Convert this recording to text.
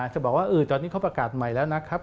จะบอกว่าตอนนี้เขาประกาศใหม่แล้วนะครับ